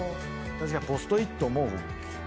確かにポスト・イットもう。